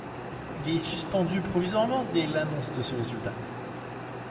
Il est suspendu provisoirement dès l'annonce de ce résultat.